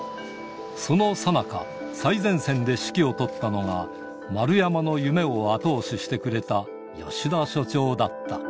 そのさなか、最前線で指揮を執ったのが、丸山の夢を後押ししてくれた吉田所長だった。